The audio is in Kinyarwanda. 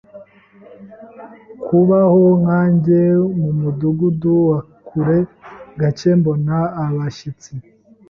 Kubaho nkanjye mumudugudu wa kure, gake mbona abashyitsi.